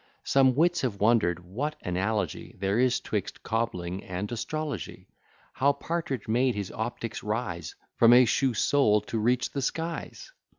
Some wits have wonder'd what analogy There is 'twixt cobbling and astrology; How Partridge made his optics rise From a shoe sole to reach the skies.